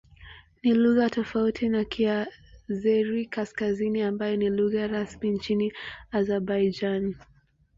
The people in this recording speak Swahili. Ni lugha tofauti na Kiazeri-Kaskazini ambayo ni lugha rasmi nchini Azerbaijan.